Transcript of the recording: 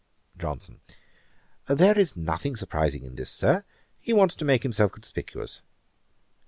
JOHNSON. 'There is nothing surprizing in this, Sir. He wants to make himself conspicuous.